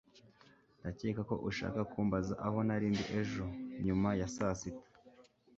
Ndakeka ko ushaka kumbaza aho nari ndi ejo nyuma ya saa sita